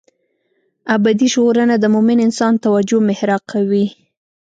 ابدي ژغورنه د مومن انسان توجه محراق وي.